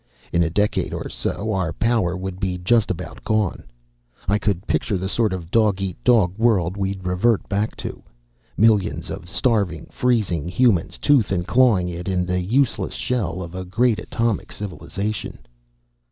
In a decade or so, our power would be just about gone. I could picture the sort of dog eat dog world we'd revert back to. Millions of starving, freezing humans tooth and clawing in it in the useless shell of a great atomic civilization.